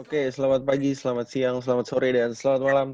oke selamat pagi selamat siang selamat sore dan selamat malam